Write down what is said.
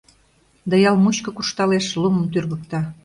Да ял мучко куржталеш, лумым тӱргыкта.